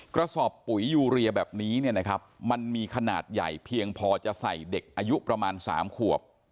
กระสอบปุ๋ยยูเรียแบบนี้เนี่ยนะครับมันมีขนาดใหญ่เพียงพอจะใส่เด็กอายุประมาณ๓ขวบ